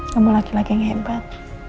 kamu laki laki yang hebat